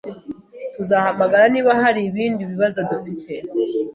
Tuzahamagara niba hari ibindi bibazo dufite